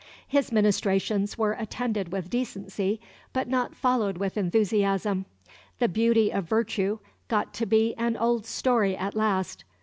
His ministrations were attended with decency, but not followed with enthusiasm. "The beauty of virtue" got to be an old story at last.